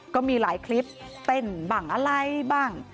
ก็มีหลายคลิปเต้นบ้างอะไรบ้าง